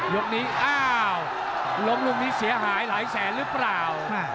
ยกนี้อ้าวล้มลูกนี้เสียหายหลายแสนหรือเปล่า